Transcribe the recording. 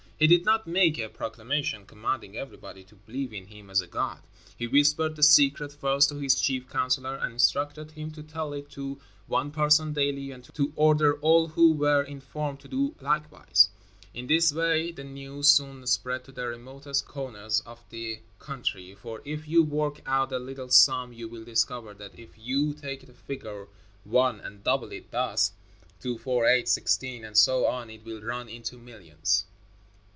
He did not make a proclamation commanding everybody to believe in him as a god; he whispered the secret first to his chief counselor and instructed him to tell it to one person daily and to order all who were informed to do likewise. In this way the news soon spread to the remotest corners of the country, for if you work out a little sum you will discover that if you take the figure one and double it thus: two, four, eight, sixteen, and so on, it will run into millions.